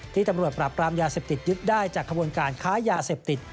ตำรวจปราบปรามยาเสพติดยึดได้จากขบวนการค้ายาเสพติด